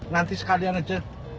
nanti sekalian aja